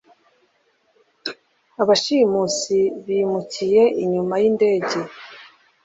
Abashimusi bimukiye inyuma yindege.